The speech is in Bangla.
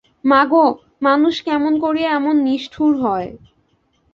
মাগো, মানুষ কেমন করিয়া এমন নিষ্ঠুর হয়!